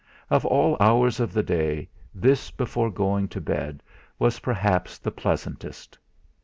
Of all hours of the day, this before going to bed was perhaps the pleasantest.